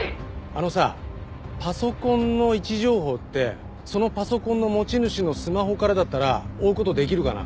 あのさパソコンの位置情報ってそのパソコンの持ち主のスマホからだったら追う事できるかな？